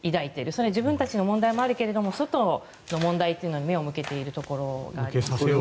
それは自分たちの問題もあるけども外の問題に目を向けているところがありますね。